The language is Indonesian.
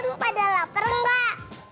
oliang pada lapar gak